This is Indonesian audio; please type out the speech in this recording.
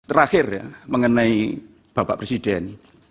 terakhir ya mengenai bapak presiden